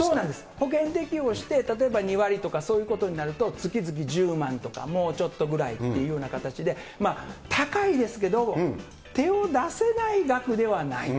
保険適用して、例えば、２割とかそういうことになると、月々１０万とか、もうちょっとぐらいっていうような形で、高いですけれども、手を出せない額ではない。